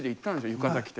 浴衣着て。